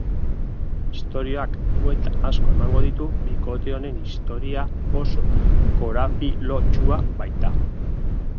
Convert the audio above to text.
Istorioak buelta asko emango ditu, bikote honen istoria oso korapilotsua baita.